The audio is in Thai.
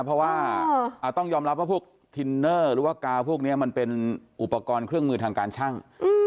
เพราะว่าต้องยอมรับว่าพวกทินเนอร์หรือว่ากาวพวกนี้มันเป็นอุปกรณ์เครื่องมือทางการชั่ง